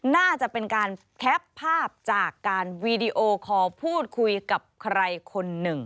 น่าจะเป็นการแคปภาพจากการวีดีโอคอลพูดคุยกับใครคนหนึ่ง